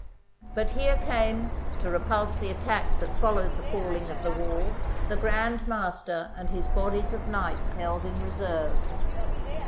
But here came, to repulse the attack that followed THE SIEGE OF RHODES the falling of the wall, the Grand Master and his bodies of knights held in reserve.